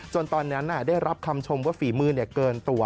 ตอนนั้นได้รับคำชมว่าฝีมือเกินตัว